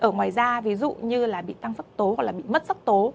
ở ngoài da ví dụ như là bị tăng sắc tố hoặc là bị mất sắc tố